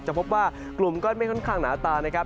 พบว่ากลุ่มก้อนเมฆค่อนข้างหนาตานะครับ